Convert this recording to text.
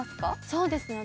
そうですね